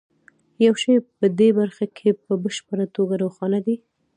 یو شی په دې برخه کې په بشپړه توګه روښانه دی